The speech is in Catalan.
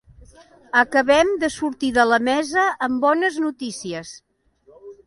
Acabem de sortir de la mesa amb bones notícies.